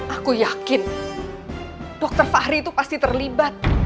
aku yakin dokter fahri itu pasti terlibat